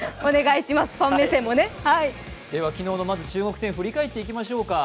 昨日の中国戦振り返っていきましょうか。